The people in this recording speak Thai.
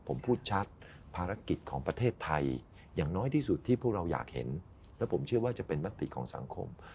ผมพูดชัดภารกิจของประเทศไทยอย่างน้อยที่สุดที่พวกเราอยากเห็นและผมเชื่อว่าจะเป็นมติของสังคม